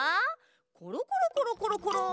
ころころころころころ。